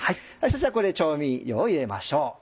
そしたらこれ調味料を入れましょう。